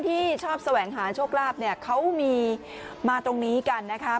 ที่ชอบแสวงหาโชคลาภเนี่ยเขามีมาตรงนี้กันนะคะ